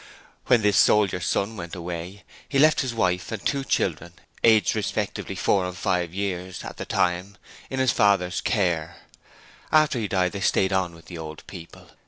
When this soldier son went away, he left his wife and two children, aged respectively four and five years at that time, in his father's care. After he died they stayed on with the old people.